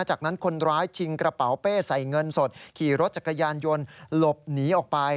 จากนั้นคนร้ายชิงกระเป๋าเป้ใส่เงินสดขี่รถจักรยานยนต์หลบหนีออกไป